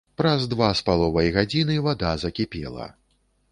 Праз два з паловай гадзіны вада закіпела.